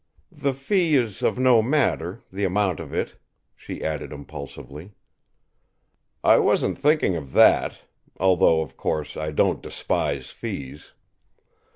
"The fee is of no matter, the amount of it," she added impulsively. "I wasn't thinking of that although, of course, I don't despise fees.